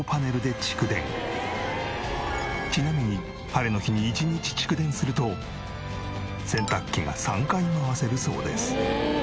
ちなみに晴れの日に１日蓄電すると洗濯機が３回回せるそうです。